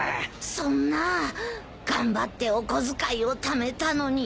そんな頑張ってお小遣いをためたのに。